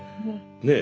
ねえ？